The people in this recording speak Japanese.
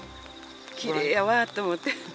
きれいやわと思って。